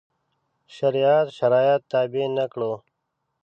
شریعت شرایط تابع نه کړو.